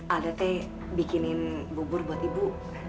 ada yang bikin bubur untuk ibu